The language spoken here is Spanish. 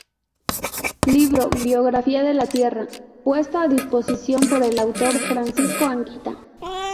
Libro "biografía de la Tierra" puesto a disposición por el autor, Francisco Anguita